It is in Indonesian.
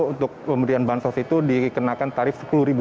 untuk pemberian bahan sos itu dikenakan tarif rp sepuluh